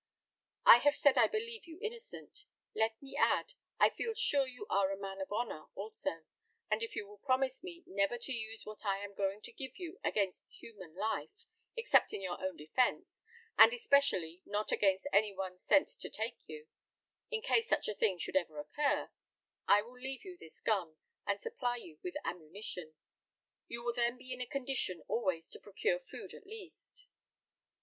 I have said I believe you innocent; let me add, I feel sure you are a man of honour also, and if you will promise me never to use what I am going to give against human life, except in your own defence, and especially not against any one sent to take you, in case such a thing should ever occur, I will leave you this gun, and supply you with ammunition. You will then be in a condition always to procure food at least."